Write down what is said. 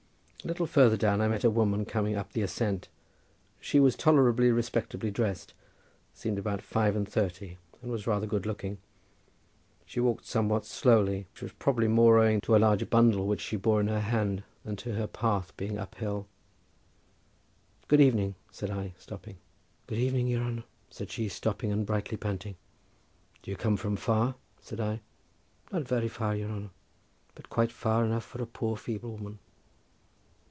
A little farther down I met a woman coming up the ascent. She was tolerably respectably dressed, seemed about five and thirty, and was rather good looking. She walked somewhat slowly, which was probably more owing to a large bundle which she bore in her hand than to her path being up hill. "Good evening," said I, stopping. "Good evening, your honour," said she, stopping and slightly panting. "Do you come from far?" said I. "Not very far, your honour, but quite far enough for a poor feeble woman."